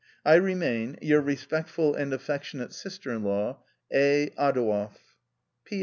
" I remain, " Your respectful and affectionate sister in law, " A. Adouev." " P.